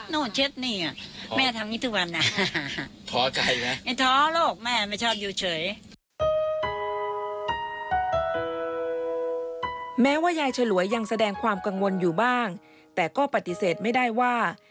ไม่เหนื่อยเลยทำแบบนี้แม่ทำแบบนี้ทุกวัน